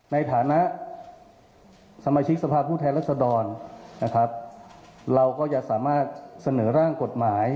ในฐานะสมาชิกสภาพผู้แทนรัศดรนะครับเราก็จะสามารถเสนอร่างกฎหมาย